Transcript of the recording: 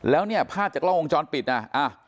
แล้วเนี่ยภาพจากกล้องวงจรปิดอ่ะ